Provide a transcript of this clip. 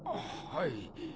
はい。